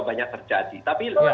banyak terjadi tapi